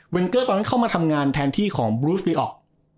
เวนเกอร์ก่อนที่เขามาทำงานแทนที่ของบรูซรีออก